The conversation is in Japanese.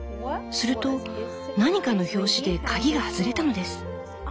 すると何かの拍子で鍵が外れたのです。